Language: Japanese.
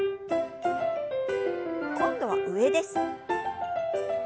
今度は上です。